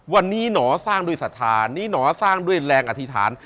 วันนี้หนอสร้างด้วยศรัทธานี่หนอสร้างด้วยแรงอธิษฐาน